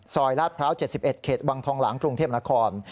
ลาดพร้าว๗๑เขตวังทองหลางกรุงเทพนคร